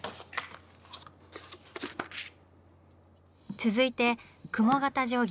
続いて雲形定規。